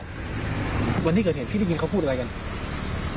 วันที่เกิดเหตุพี่ได้ยินเขาพูดอะไรกัน